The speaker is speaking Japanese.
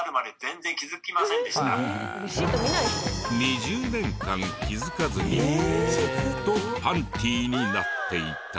２０年間気づかずにずっとパンＴになっていた。